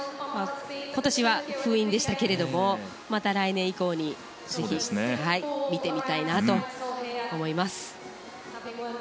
今年は封印でしたがまた来年以降にぜひ見てみたいなと思います。